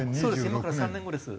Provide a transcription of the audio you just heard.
今から３年後です。